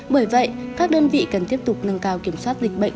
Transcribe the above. bởi vậy các đơn vị cần tiếp tục nâng cao kiểm soát dịch bệnh